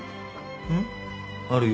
うん？あるよ。